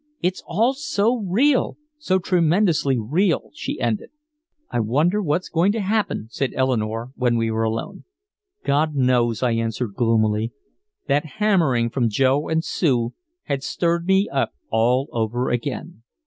"It's all so real. So tremendously real," she ended. "I wonder what's going to happen," said Eleanore when we were alone. "God knows," I answered gloomily. That hammering from Joe and Sue had stirred me up all over again.